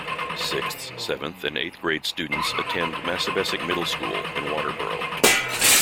Sixth, seventh and eighth grade students attend Massabesic Middle School in Waterboro.